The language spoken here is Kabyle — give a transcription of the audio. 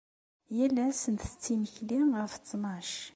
Yal ass nttett imekli ɣef ttnac.